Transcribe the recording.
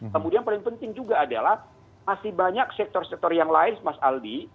kemudian paling penting juga adalah masih banyak sektor sektor yang lain mas aldi